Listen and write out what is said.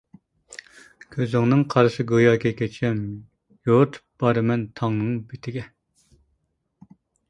كۆزۈڭنىڭ قارىسى گوياكى كېچەم، يورۇتۇپ بارىمەن تاڭنىڭ بېتىگە.